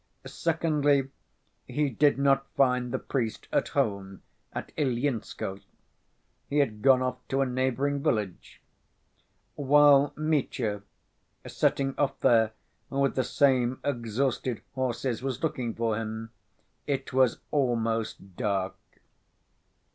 Secondly, he did not find the priest at home at Ilyinskoe; he had gone off to a neighboring village. While Mitya, setting off there with the same exhausted horses, was looking for him, it was almost dark.